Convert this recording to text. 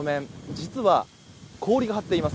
実は、氷が張っています。